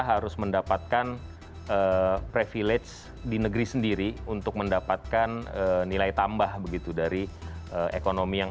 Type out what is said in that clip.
harus mendapatkan privilege di negeri sendiri untuk mendapatkan nilai tambah begitu dari ekonomi yang